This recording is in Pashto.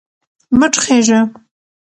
مه ټوخیژه